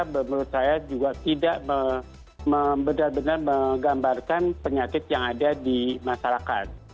menurut saya juga tidak benar benar menggambarkan penyakit yang ada di masyarakat